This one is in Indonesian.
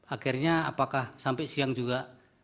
akhirnya apakah sampai siang juga